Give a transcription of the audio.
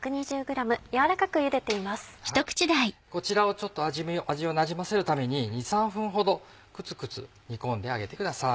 こちらをちょっと味をなじませるために２３分ほどくつくつ煮込んであげてください。